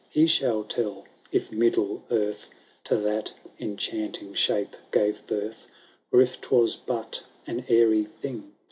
He shall tell if middle earth To that enchanting shape gave birth, Or if Hwas but an airy thing.